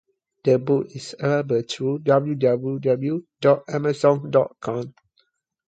The book is available through www dot amazon dot com.